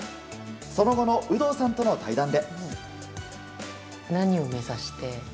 その後の有働さんとの対談で。